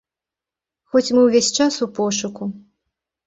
Хоць мы ўвесь час у пошуку.